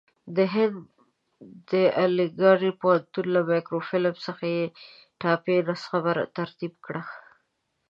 د هند د علیګړ پوهنتون له مایکروفیلم څخه یې ټایپي نسخه ترتیب کړه.